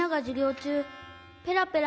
ちゅうペラペラ